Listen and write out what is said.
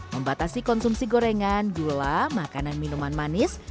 membatasi konsumsi gorengan gula makanan minuman manis